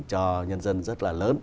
cho nhân dân rất là lớn